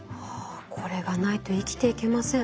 これがないと生きていけません。